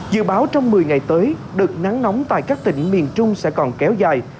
dự báo trong một mươi ngày tới đợt nắng nóng tại các tỉnh miền trung sẽ còn kéo dài